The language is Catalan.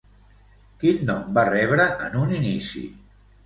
Quin nom va rebre en un inici?